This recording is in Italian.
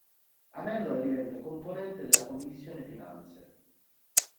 Amendola diventa componente della commissione finanze.